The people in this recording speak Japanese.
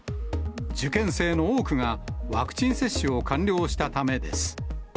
受験生の多くが、ワクチン接種を完了したためです。